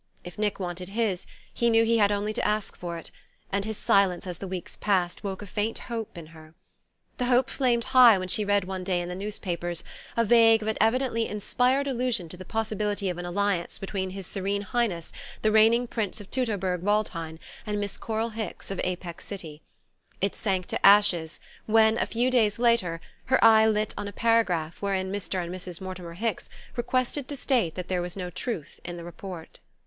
If Nick wanted his, he knew he had only to ask for it; and his silence, as the weeks passed, woke a faint hope in her. The hope flamed high when she read one day in the newspapers a vague but evidently "inspired" allusion to the possibility of an alliance between his Serene Highness the reigning Prince of Teutoburg Waldhain and Miss Coral Hicks of Apex City; it sank to ashes when, a few days later, her eye lit on a paragraph wherein Mr. and Mrs. Mortimer Hicks "requested to state" that there was no truth in the report.